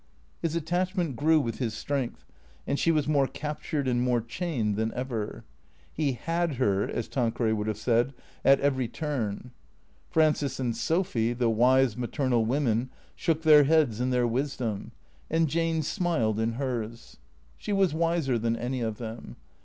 His attachment grew with his strength, and she was more captured and more chained than ever. He " had " her, as Tan queray would liave said, at every turn. Frances and Sophy, the wise maternal women, shook their heads in their wisdom; THECEEATOES 407 and Jane smiled in hers. She was wiser than any of them.